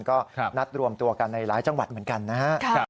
ก็นัดรวมตัวกันในหลายจังหวัดเหมือนกันนะครับ